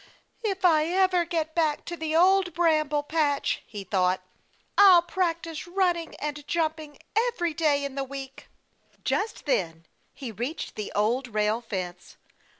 "If I ever get back to the Old Bramble Patch," he thought, "I'll practice running and jumping every day in the week." Just then, he reached the Old Rail Fence.